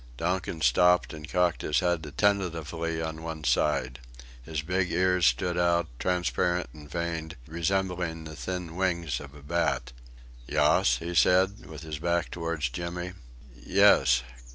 Donkin stopped and cocked his head attentively on one side. His big ears stood out, transparent and veined, resembling the thin wings of a bat. "Yuss?" he said, with his back towards Jimmy. "Yes!